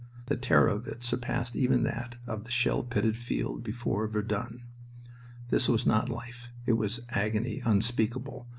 The terror of it surpassed even that of the shell pitted field before Verdun. This was not life; it was agony unspeakable.